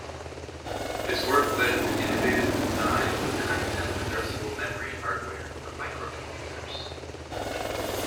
His work led to innovative designs of content-addressable memory hardware for microcomputers.